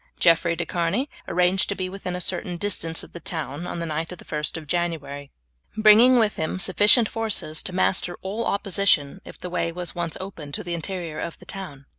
Jeffrey de Charny arranged to be within a certain distance of the town on the night of the 1st of January, bringing with him sufficient forces to master all opposition if the way was once opened to the interior of the town.